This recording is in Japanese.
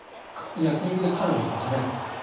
焼き肉でカルビとか食べないんですか。